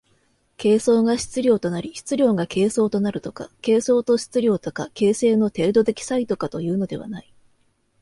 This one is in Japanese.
形相が質料となり質料が形相となるとか、形相と質料とか形成の程度的差異とかというのではない。